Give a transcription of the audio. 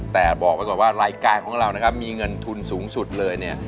แต่บอกไว้ก่อนว่ารายการของเรานะครับมีเงินทุนสูงสุดเลยเนี่ย